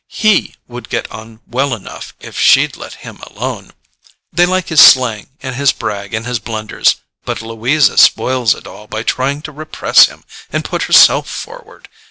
HE would get on well enough if she'd let him alone; they like his slang and his brag and his blunders. But Louisa spoils it all by trying to repress him and put herself forward.